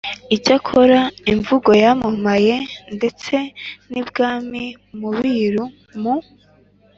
icyakora, imvugo yamamaye ndetse n'ibwami mu biru, mu